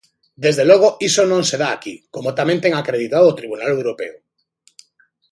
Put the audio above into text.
Desde logo, iso non se dá aquí, como tamén ten acreditado o Tribunal Europeo.